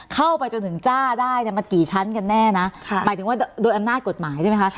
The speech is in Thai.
เข้าไปจนถึงจ้าได้เนี่ยมันกี่ชั้นกันแน่นะหมายถึงว่าโดยอำนาจกฎหมายใช่ไหมคะ